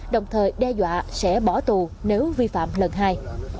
đồng thời đe dọa sẽ bỏ tù nếu vi phạm lần hai